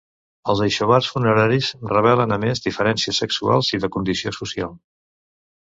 Els aixovars funeraris revelen a més diferències sexuals i de condició social.